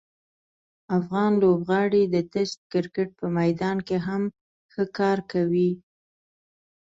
افغان لوبغاړي د ټسټ کرکټ په میدان کې هم ښه کار کوي.